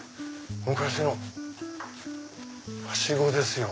昔のはしごですよ。